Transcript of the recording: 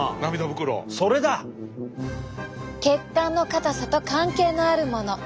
血管の硬さと関係のあるもの！